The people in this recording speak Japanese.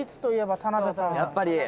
田辺さん